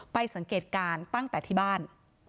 สังเกตการณ์ตั้งแต่ที่บ้าน